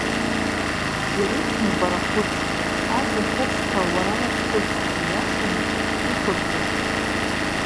Ирифмоуп арахәыц, аӡахырсҭа уара уазхәыц, ииашаны иқәырҳәуп.